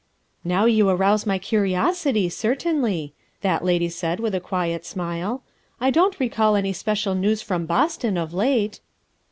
"Now you arouse my curiosity, certainly," that lady said with a quiet smile. "I don't recall any special news from Boston, of late."